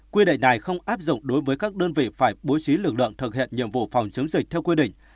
quy định này không áp dụng đối với các đơn vị phải bố trí lực lượng thực hiện nhiệm vụ phòng chống dịch theo quy định